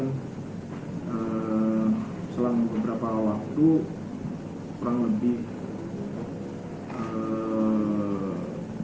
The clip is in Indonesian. hai selama beberapa waktu kurang lebih